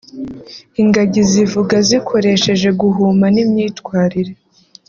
Ingagi zivuga zikoresheje guhuma n’imyitwarire